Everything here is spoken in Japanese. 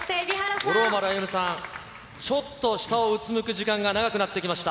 五郎丸歩さん、ちょっと下をうつむく時間が長くなってきました。